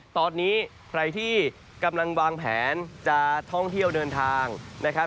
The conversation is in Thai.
ตอนนี้ใครที่กำลังวางแผนจะท่องเที่ยวเดินทางนะครับ